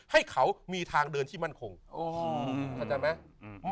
ให้เขามีทางเดินที่มั่นคงโอ้โหอืมอืมอืมอืมอืมอืม